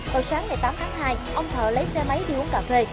hồi sáng ngày tám tháng hai ông thờ lấy xe máy đi uống cà phê